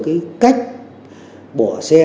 cái cách bỏ xe